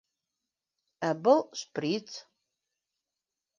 Ә был шприц